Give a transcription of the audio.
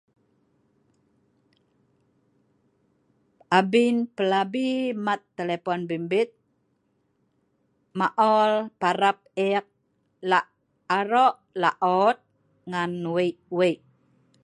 Abien plabi mat telefon bimbit maol parap eek lak aroq laot ngan wei wei